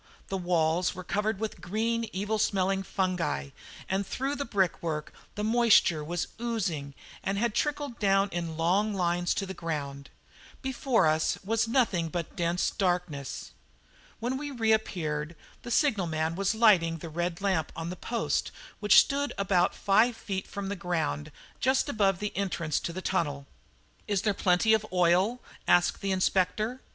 The walls were covered with green, evil smelling fungi, and through the brickwork the moisture was oozing and had trickled down in long lines to the ground. Before us was nothing but dense darkness. When we re appeared the signalman was lighting the red lamp on the post, which stood about five feet from the ground just above the entrance to the tunnel. "Is there plenty of oil?" asked the Inspector.